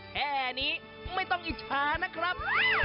แค่นี้ไม่ต้องอิจฉานะครับ